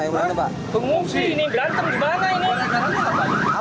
pengungsi ini berantem gimana ini